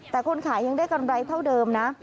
แต่คนขายยังได้กำไรเท่าเดิมนะ